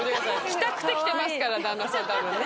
着たくて着てますから旦那さん多分ね。